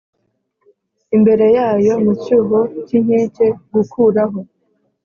imbere yayo mu cyuho cy inkike Gukuraho